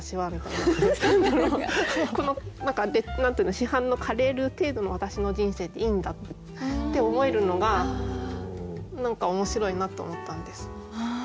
市販のカレールー程度の私の人生でいいんだって思えるのが何か面白いなと思ったんです。